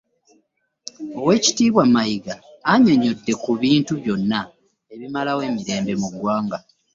Oweekitiibwa Mayiga annyonnyodde ku bintu byonna ebimalawo emirembe mu ggwanga